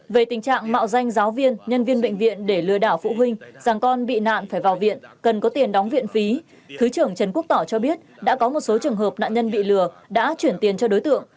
về tình trạng mạo danh giáo viên nhân viên bệnh viện để lừa đảo phụ huynh rằng con bị nạn phải vào viện cần có tiền đóng viện phí thứ trưởng trần quốc tỏ cho biết đã có một số trường hợp nạn nhân bị lừa đã chuyển tiền cho đối tượng